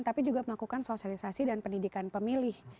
tapi juga melakukan sosialisasi dan pendidikan pemilih